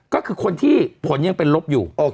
ก็คือคนที่ผลยังเป็นลบอยู่